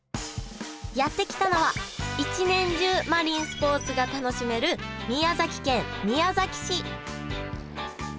やって来たのは一年中マリンスポーツが楽しめる宮崎県宮崎市